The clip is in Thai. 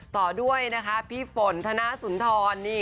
ต่อด้วยนะคะพี่ฝนธนสุนทรนี่